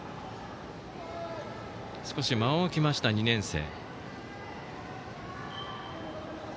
少し間を置きました、２年生。